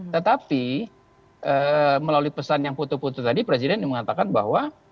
tetapi melalui pesan yang putu putu tadi presiden mengatakan bahwa